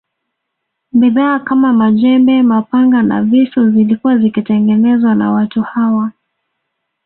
Bidhaa kama majembe mapanga na visu zilikuwa zikitengenezwa na watu hawa